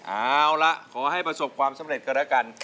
เอาละขอให้ประสบความสำเร็จกันแล้วกัน